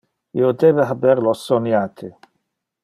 Io debe haber lo soniate.